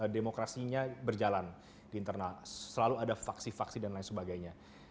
demokrasinya berjalan di internal selalu ada faksi faksi dan lain sebagainya